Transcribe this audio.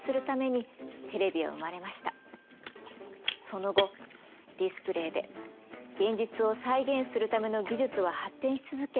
その後ディスプレイで現実を再現するための技術は発展し続け